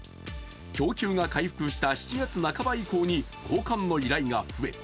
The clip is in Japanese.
供給が回復した７月半ば以降に交換の依頼が増え